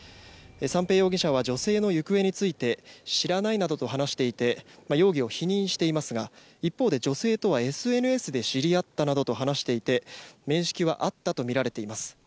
三瓶容疑者は女性の行方について知らないなどと話していて容疑を否認していますが一方で女性とはＳＮＳで知り合ったなどと話していて面識はあったとみられています。